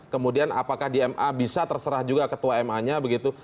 kemudian apakah di ma bisa terserah juga ketua ma nya begitu